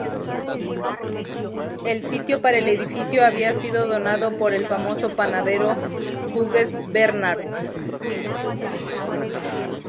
El sitio para el edificio había sido donado por el famoso panadero Hughes Bernard.